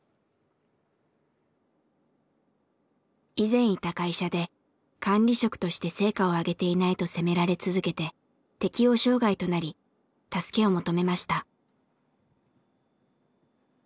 以前いた会社で管理職として成果を上げていないと責められ続けて適応障害となり助けを求めました。